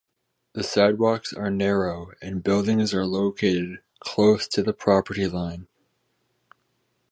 The sidewalks are narrow and buildings are located close to the property line.